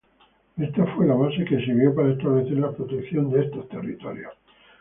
Esta fue la base que sirvió para establecer la protección de estos territorios.